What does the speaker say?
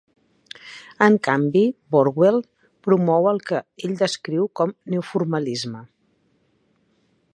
En canvi, Bordwell promou el que ell descriu com neoformalisme.